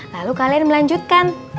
lalu kalian melanjutkan